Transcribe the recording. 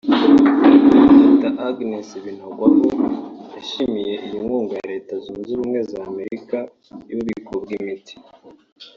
Dr Agnes Binagwaho yashimiye iyi nkunga ya Leta zunze ubumwe za Amerika y’ububiko bw’imiti